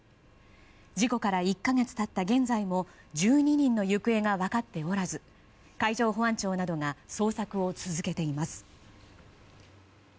事故から１か月経った現在も１２人の行方が分かっておらず海上保安庁などが捜索を続けています。